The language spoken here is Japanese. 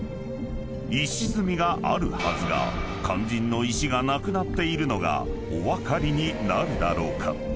［石積みがあるはずが肝心の石がなくなっているのがお分かりになるだろうか？］